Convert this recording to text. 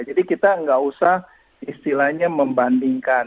jadi kita enggak usah istilahnya membandingkan